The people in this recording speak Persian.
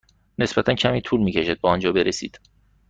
نسبتا کمی طول می کشد به آنجا برسید.